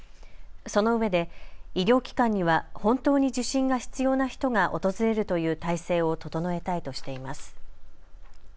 そのうえで医療機関には本当に受診が必要な人が訪れるという体制を整えたいとしています。